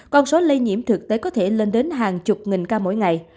con số lây nhiễm thực tế có thể lên đến hàng chục nghìn ca mỗi ngày